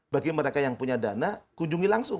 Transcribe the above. bagi mereka yang punya dana kunjungi langsung